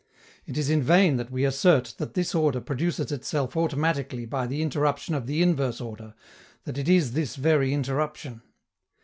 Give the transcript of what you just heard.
It is in vain that we assert that this order produces itself automatically by the interruption of the inverse order, that it is this very interruption.